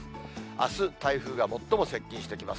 あす、台風が最も接近してきます。